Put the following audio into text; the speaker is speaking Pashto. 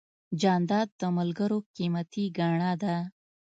جانداد د ملګرو قیمتي ګاڼه ده.